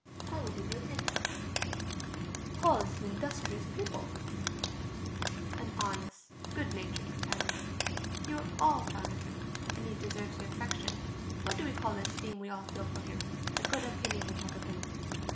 I will give you a hint: Paul is an industrious pupil, an honest, good natured companion; you are all fond of him, and he deserves your affection. What do we call the esteem we all feel for him, the good opinion we have of him?